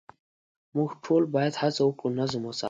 موږ ټول باید هڅه وکړو نظم وساتو.